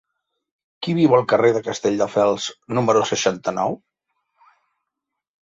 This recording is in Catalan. Qui viu al carrer de Castelldefels número seixanta-nou?